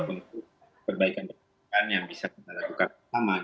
untuk perbaikan perbaikan yang bisa kita lakukan bersama